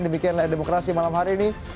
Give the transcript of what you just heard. demikian layar demokrasi malam hari ini